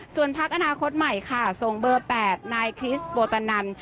ส่วนพักอนาคตใหม่ค่ะส่งเบอร์๘นายคริสโบตันัน